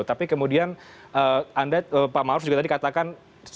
tapi kemudian anda pak maruf juga tadi katakan